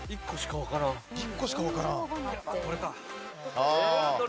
１個しかわからん。